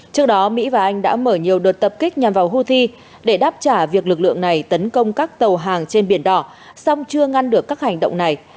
trước đó mỹ và anh đã mở nhiều đợt tập kích nhằm vào houthi để đáp trả việc lực lượng này tấn công các tàu hàng trên biển đỏ song chưa ngăn được các hành động này